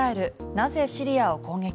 なぜシリアを攻撃？